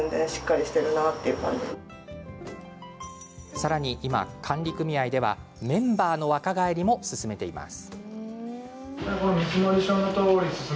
さらに今、管理組合ではメンバーの若返りも進めています。